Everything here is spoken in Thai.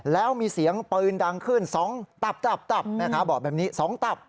แล้วมีเสียงปืนดังขึ้น๒ตับบอกแบบนี้๒ตับ